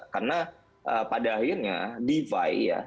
karena pada akhirnya defi ya